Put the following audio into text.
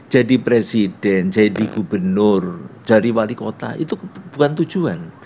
jadi presiden jadi gubernur jadi wali kota itu bukan tujuan